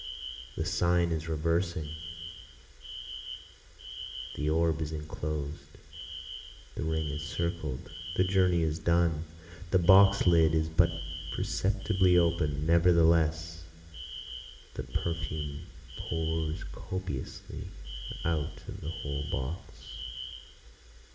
The sign is reversing, the orb is enclosed, The ring is circled, the journey is done, The box lid is but perceptibly open'd, nevertheless the perfume pours copiously out of the whole box.